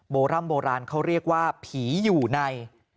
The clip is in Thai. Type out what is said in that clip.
โบร่ำโบราณเขาเรียกว่าผีอยู่ใน